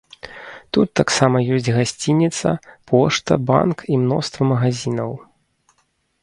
Тут таксама ёсць гасцініца, пошта, банк і мноства магазінаў.